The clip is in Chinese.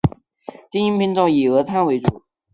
经营品种以俄餐为主。